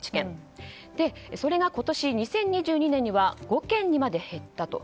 それが今年２０２２年には５件にまで減ったと。